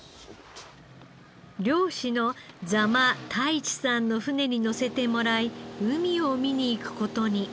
漁師の座間太一さんの船に乗せてもらい海を見に行く事に。